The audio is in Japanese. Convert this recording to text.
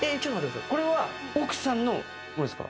これは奥さんのものですか？